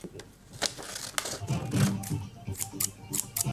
قبروں پر آج بھی پھول چڑھائے جا رہے ہیں